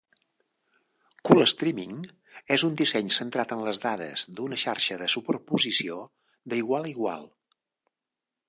CoolStreaming és un disseny centrat en les dades d'una xarxa de superposició d'igual a igual.